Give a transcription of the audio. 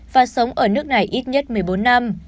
và sống ở nước này ít nhất một mươi bốn năm